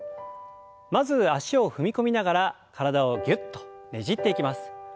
まず脚を踏み込みながら体をぎゅっとねじっていきます。